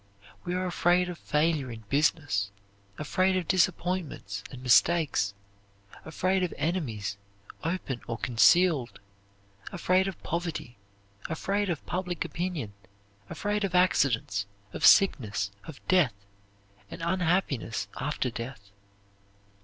We are afraid of failure in business, afraid of disappointments and mistakes, afraid of enemies, open or concealed; afraid of poverty, afraid of public opinion, afraid of accidents, of sickness, of death, and unhappiness after death.